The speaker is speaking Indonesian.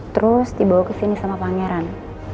terus dibawa kesini sama pangeran